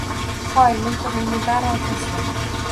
Hoy, miltig’ingni darrov tashla.